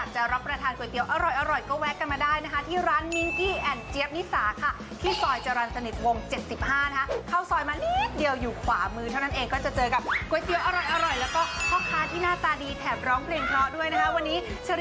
เมื่อมีใครนั้นจริงใจขอพิจัยให้จนตายน้ำตั้งแต่มือหนึ่ง